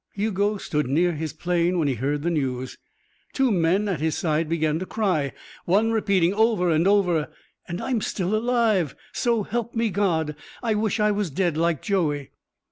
Hugo stood near his plane when he heard the news. Two men at his side began to cry, one repeating over and over: "And I'm still alive, so help me God. I wish I was dead, like Joey."